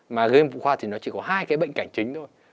mà game phụ khoa thì nó chỉ có hai cái bệnh cảnh chính thôi